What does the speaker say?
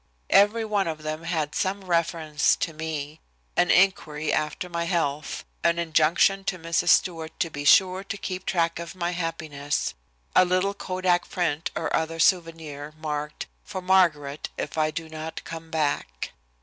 Every one of them had some reference to me an inquiry after my health, an injunction to Mrs. Stewart to be sure to keep track of my happiness, a little kodak print or other souvenir marked "For Margaret if I do not come back."